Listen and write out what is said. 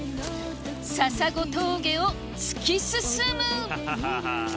笹子峠を突き進む！